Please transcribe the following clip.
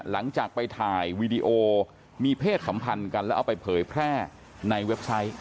หลังจากไปถ่ายวีดีโอมีเพศสัมพันธ์กันแล้วเอาไปเผยแพร่ในเว็บไซต์